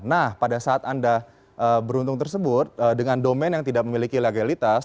nah pada saat anda beruntung tersebut dengan domain yang tidak memiliki legalitas